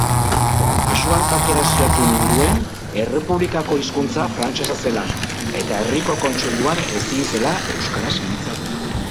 Axuantak erasiatu ninduen, Errepublikako hizkuntza frantsesa zela eta herriko kontseiluan ezin zela euskaraz mintzatu.